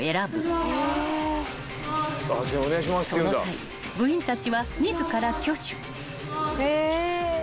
［その際部員たちは自ら挙手］